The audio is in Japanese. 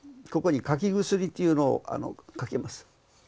ここに柿薬というのをかけます。